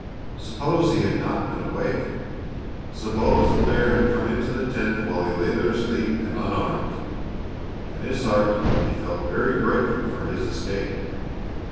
Suppose he had not been awake? Suppose the bear had come into the tent while he lay there asleep and unarmed? In his heart he felt very grateful for his escape.